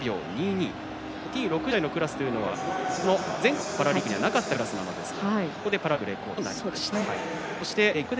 Ｔ６０台のクラスというのは前回のパラリンピックにはなかったクラスなんですがこれでパラリンピックレコードとなりました。